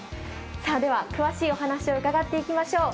では、詳しいお話を伺っていきましょう。